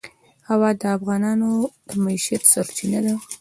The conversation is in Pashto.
هوا د افغانانو د معیشت سرچینه ده.